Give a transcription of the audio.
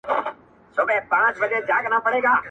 • مرور سهار به هله راستنېږي..